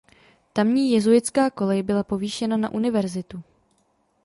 Tamní jezuitská kolej byla povýšena na univerzitu.